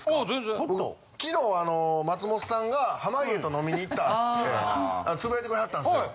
きのう松本さんが濱家と飲みに行ったってつぶやいてくれはったんですよ。